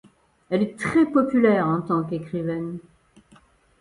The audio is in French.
Elle est très populaire en tant qu'écrivaine.